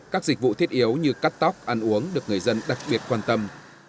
các dịch vụ thiết yếu như cắt tóc ăn uống được người dân đặc biệt quan tâm